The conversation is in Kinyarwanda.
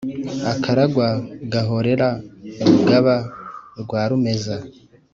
akaragwa gahorera rugaba rwa rumeza,